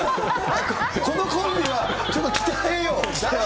このコンビはちょっと鍛えよう。